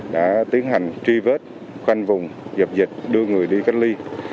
đã tiến hành truy vết khoanh vùng dập dịch đưa người đi cách ly